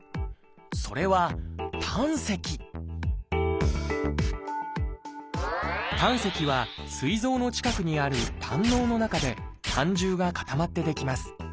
それは胆石「胆石」はすい臓の近くにある胆のうの中で胆汁が固まって出来ます。